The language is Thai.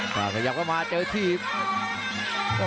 ก็ขยับเข้ามาเจอที่